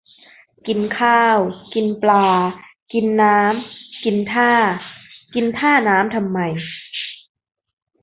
กินข้าว กินปลา กินน้ำ กินท่า กินท่าน้ำทำไม